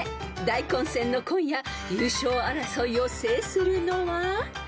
［大混戦の今夜優勝争いを制するのは？］